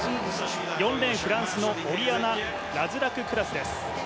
４レーン、フランスのオリアナ・ラズラククラスです。